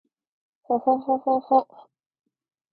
ほほほほほっ h